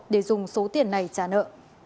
để dùng số tiền này trả nợ